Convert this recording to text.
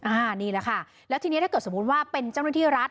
อันนี้แหละค่ะแล้วทีนี้ถ้าเกิดสมมุติว่าเป็นเจ้าหน้าที่รัฐ